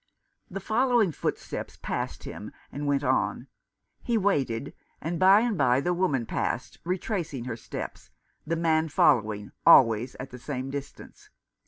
The following footsteps passed him, and went on. He waited, and by and by the woman passed, retracing her steps, the man following, always at about the same distance.